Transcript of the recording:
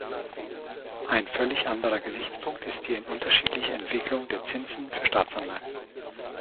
Ein völlig anderer Gesichtspunkt ist die unterschiedliche Entwicklung der Zinsen für Staatsanleihen.